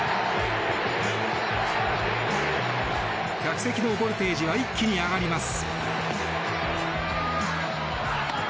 客席のボルテージは一気に上がります。